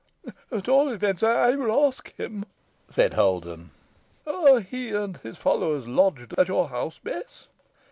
"At all events, I will ask him," said Holden. "Are he and his followers lodged at your house, Bess?"